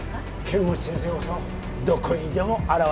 剣持先生こそどこにでも現れる。